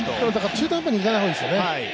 中途半端にいかないほうがいいですよね。